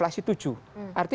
ada saving untuk masyarakat